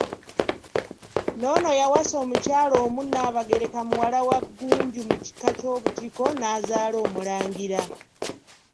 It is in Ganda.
N'ono yawasa omukyala omu Nnaabagereka muwala wa Ggunju mu kika ky'Obutiko, n'azaala omulangira.